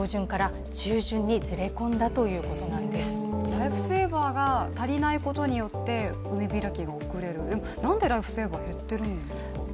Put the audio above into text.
ライフセーバーが足りないことによって、海開きが遅れるなんでライフセーバー減ってるんですか？